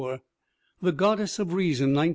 The Goddess of Reason, 1907.